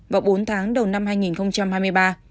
vào bốn tháng đầu năm hai nghìn hai mươi ba